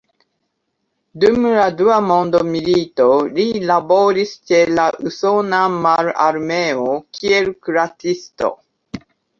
Dum la dua mondmilito, li laboris ĉe la usona mararmeo kiel kuracisto.